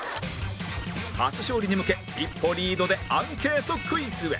初勝利に向け一歩リードでアンケートクイズへ